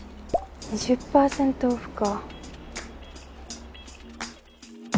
２０％オフか。